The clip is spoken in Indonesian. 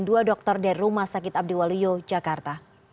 dua dokter dari rumah sakit abdiwaluyo jakarta